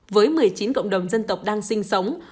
với một mươi chín cộng đồng dân tộc đang sinh sống